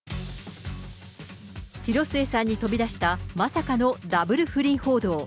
広末さんに飛び出したまさかのダブル不倫報道。